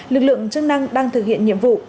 lực lượng chức năng đang thực hiện nhiệm vụ